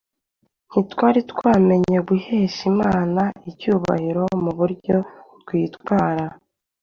Ntitwari twamenya guhesha Imana icyubahiro mu buryo twitwara